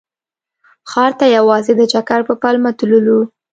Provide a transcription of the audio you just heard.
ښار ته یوازې د چکر په پلمه تللو.